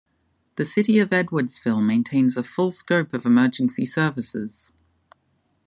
The city of Edwardsville maintains a full scope of emergency services.